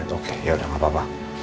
oke yaudah gak apa apa